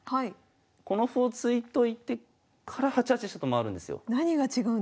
この歩を突いといてから８八飛車と回るんですよ。